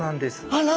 あら。